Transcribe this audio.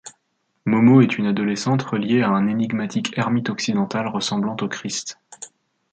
Momo est une adolescente reliée à un énigmatique ermite occidental ressemblant au Christ.